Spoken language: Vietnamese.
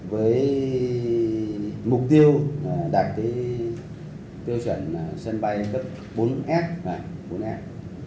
với mục tiêu đạt tiêu chuẩn sân bay cấp bốn s